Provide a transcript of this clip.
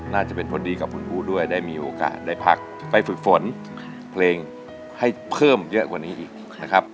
น่าจะเป็นผลดีกับคุณอู๋ด้วยได้มีโอกาสได้พักไปฝึกฝนเพลงให้เพิ่มเยอะกว่านี้อีกนะครับ